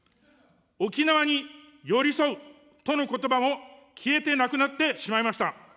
沖縄に寄り添うとのことばも、消えてなくなってしまいました。